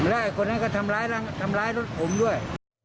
และคนนั้นก็ทำร้ายรถผมด้วย